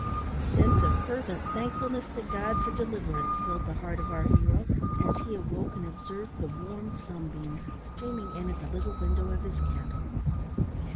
A sense of fervent thankfulness to God for deliverance filled the heart of our hero as he awoke and beheld the warm sunbeams streaming in at the little window of his cabin.